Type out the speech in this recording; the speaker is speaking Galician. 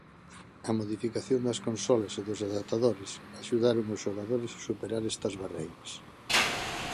A modificación das consolas e os adaptadores axudaron os xogadores a superar estas barreiras.